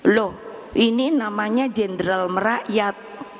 loh ini namanya jenderal merakyat